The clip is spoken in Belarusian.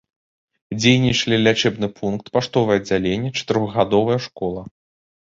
Дзейнічалі лячэбны пункт, паштовае аддзяленне, чатырохгадовая школа.